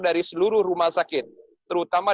dari seluruh rumah sakit terutama